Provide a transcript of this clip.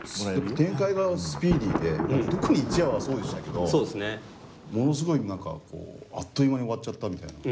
展開がスピーディーで特に１話はそうでしたけどものすごい何かあっという間に終わっちゃったみたいな。